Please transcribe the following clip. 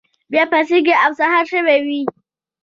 بیا پاڅیږي او سهار شوی وي.